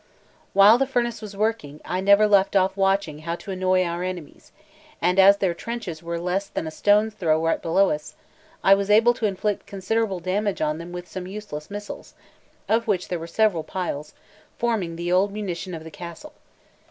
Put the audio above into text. While the furnace was working I never left off watching how to annoy our enemies; and as their trenches were less than a stone's throw right below us, I was able to inflict considerable damage on them with some useless missiles, of which there were several piles, forming the old munition of the castle.